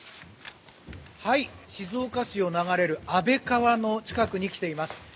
静岡市を流れる安倍川の近くに来ています。